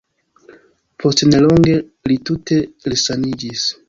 Post nelonge, li tute resaniĝis.